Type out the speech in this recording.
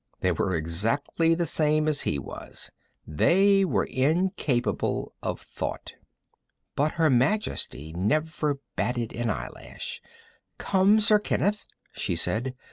They were exactly the same as he was. They were incapable of thought. But Her Majesty never batted an eyelash. "Come, Sir Kenneth," she said.